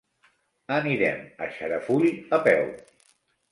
Anirem a Xarafull a peu.